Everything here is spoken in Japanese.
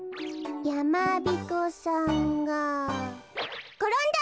やまびこさんがころんだ！